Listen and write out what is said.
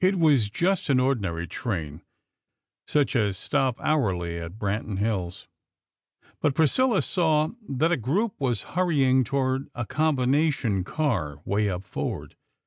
It was just an ordinary train such as stop hourly at Branton Hills, but Priscilla saw that a group was hurrying toward a combination car, way up forward.